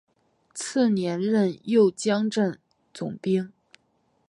次年任右江镇总兵。